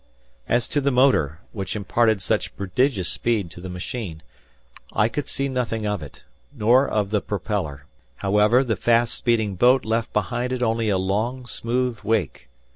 As to the motor, which imparted such prodigious speed to the machine, I could see nothing of it, nor of the propeller. However, the fast speeding boat left behind it only a long, smooth wake.